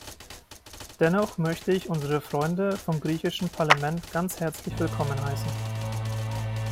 Dennoch möchte ich unsere Freunde vom griechischen Parlament ganz herzlich willkommen heißen.